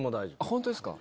ホントですか。